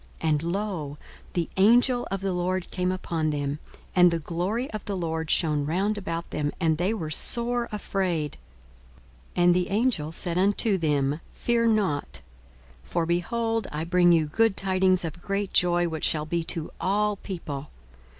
42:002:009 And, lo, the angel of the Lord came upon them, and the glory of the Lord shone round about them: and they were sore afraid. 42:002:010 And the angel said unto them, Fear not: for, behold, I bring you good tidings of great joy, which shall be to all people.